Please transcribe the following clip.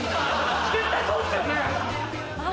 絶対そうっすよね？